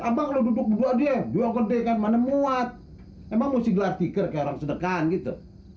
abang duduk duduk dia juga gede kan mana muat emang musti gelas tiker karang sedekan gitu